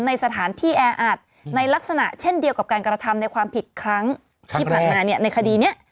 ในลักษณะเช่นเดียวกับการกระทำในความผิดครั้งที่ผ่านมาในคดีนี้